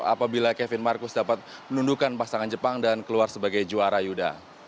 apabila kevin marcus dapat menundukan pasangan jepang dan keluar sebagai juara yuda